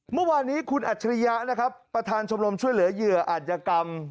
เมื่อวานนี้คุณอัจฉริยะนะครับประธานชมรมช่วยเหลือเหยื่ออาจยกรรม